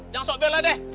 jangan sobek belakang deh